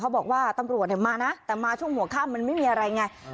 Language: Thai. บอกว่าตำรวจเนี่ยมานะแต่มาช่วงหัวข้ามมันไม่มีอะไรไง